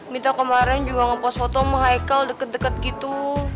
minta kemarin juga ngepost foto sama hicle deket deket gitu